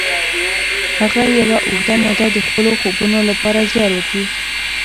هغه یوه اوږده موده د خپلو خوبونو لپاره زیار وکیښ